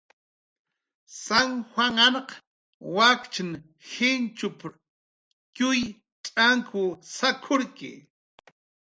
"San juanahn wakchkunq jinchp""rw txuy t'ank sak""urki "